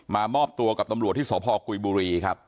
มอบตัวกับตำรวจที่สพกุยบุรีครับ